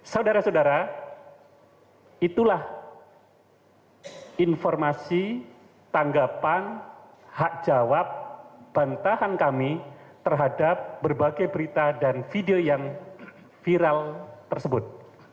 saudara saudara itulah informasi tanggapan hak jawab bantahan kami terhadap berbagai berita dan video yang viral tersebut